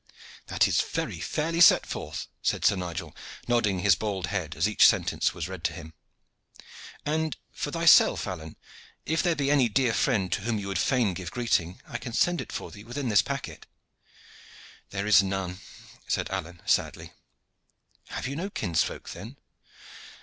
"That is very fairly set forth," said Sir Nigel, nodding his bald head as each sentence was read to him. "And for thyself, Alleyne, if there be any dear friend to whom you would fain give greeting, I can send it for thee within this packet." "There is none," said Alleyne, sadly. "Have you no kinsfolk, then?"